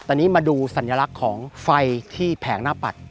ตอนนี้มาดูสัญลักษณ์ของไฟที่แผงหน้าปัด